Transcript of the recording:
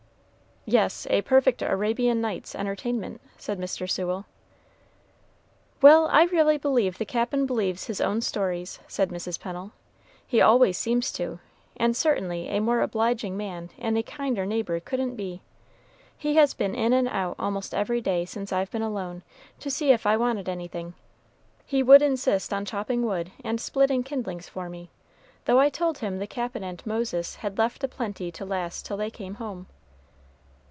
"Yes, a perfect 'Arabian Nights' Entertainment,'" said Mr. Sewell. "Well, I really believe the Cap'n believes his own stories," said Mrs. Pennel; "he always seems to, and certainly a more obliging man and a kinder neighbor couldn't be. He has been in and out almost every day since I've been alone, to see if I wanted anything. He would insist on chopping wood and splitting kindlings for me, though I told him the Cap'n and Moses had left a plenty to last till they came home."